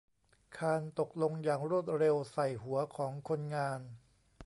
คานตกลงอย่างรวดเร็วใส่หัวของคนงาน